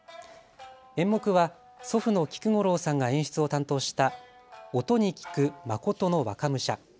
演目は祖父の菊五郎さんが演出を担当した音菊眞秀若武者。